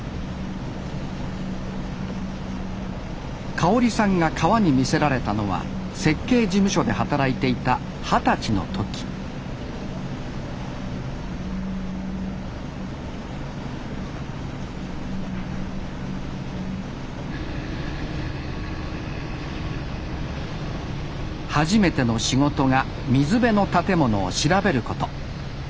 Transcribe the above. かおりさんが川に魅せられたのは設計事務所で働いていた二十歳の時初めての仕事が水辺の建物を調べること。